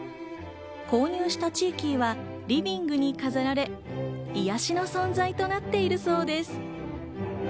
購入したチーキーはリビングに飾られ、癒やしの存在となっているそうです。